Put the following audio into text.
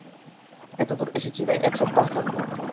এতদূর এসেছি তাই এক সপ্তাহ থাকবো।